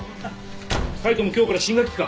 海斗も今日から新学期か。